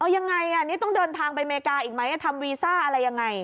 ยังไงนี่ต้องเดินทางไปอเมริกาอีกไหมทำวีซ่าอะไรยังไง